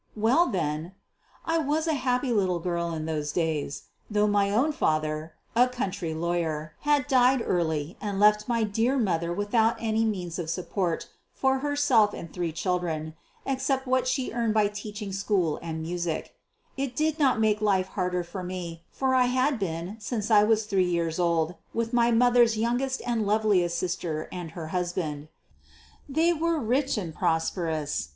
Well, then, I was a happy little girl in those days. Though my own father, a county lawyer, had died early and left my dear mother without any means of support for herself and three children except what she earned by teaching school and music, it did not make life harder for me, for I had been since I was three years old with mother's youngest and loveliest sister and her husband. They were rich and prosperous.